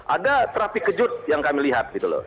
ada terapi kejut yang kami lihat gitu loh